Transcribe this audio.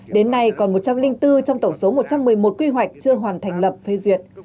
đến nay còn một trăm linh bốn trong tổng số một trăm một mươi một quy hoạch chưa hoàn thành lập phê duyệt